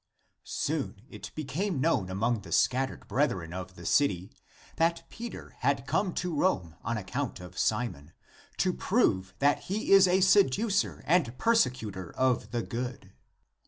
7. Soon it became known among the scattered brethren of the city that Peter had come (to Rome) on account of Simon, to prove that he is a seducer and persecutor of the good.